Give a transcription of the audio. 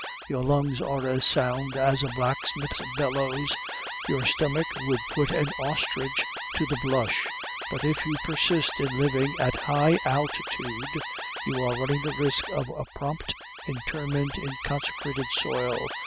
Your lungs are as sound as a blacksmith's bellows, your stomach would put an ostrich to the blush; but if you persist in living at high altitude, you are running the risk of a prompt interment in consecrated soil.